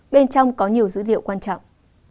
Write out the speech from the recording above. bên trong có nhiều dữ liệu quan trọng